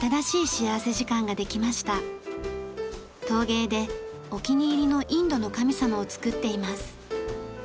陶芸でお気に入りのインドの神様を作っています。